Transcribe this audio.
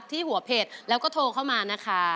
ที่หัวเพจแล้วก็โทรเข้ามานะคะ